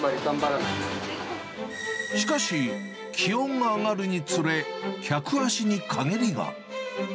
しかし、気温が上がるにつれ、客足に陰りが。